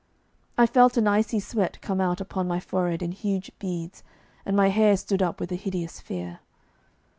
I felt an icy sweat come out upon my forehead in huge beads, and my hair stood up with a hideous fear.